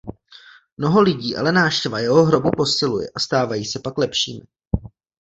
Mnoho lidí ale návštěva jeho hrobu posiluje a stávají se pak lepšími.